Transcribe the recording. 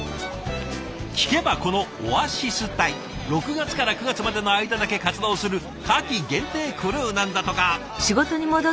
聞けばこのオアシス隊６月から９月までの間だけ活動する夏季限定クルーなんだとか。